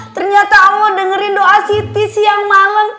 ternyata allah dengerin doa siti siang malam